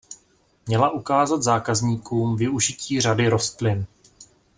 Měla ukázat zákazníkům využití řady rostlin.